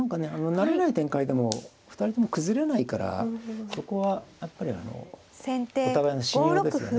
慣れない展開でも２人とも崩れないからそこはやっぱりお互いの信用ですよね。